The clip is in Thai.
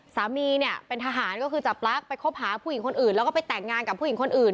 สามีเนี่ยเป็นทหารก็คือจับลักษณ์ไปคบหาผู้หญิงคนอื่นแล้วก็ไปแต่งงานกับผู้หญิงคนอื่น